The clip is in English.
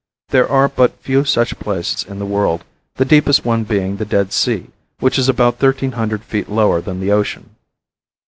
There are but few such places in the world, the deepest one being the Dead Sea, which is about thirteen hundred feet lower than the ocean.